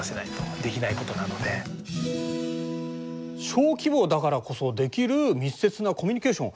小規模だからこそできる密接なコミュニケーション。